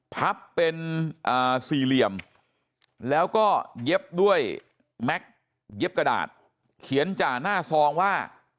พับเป็นสี่เหลี่ยมแล้วก็เย็บด้วยแม็กซ์เย็บกระดาษเขียนจ่าหน้าซองว่า